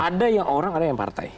ada yang orang ada yang partai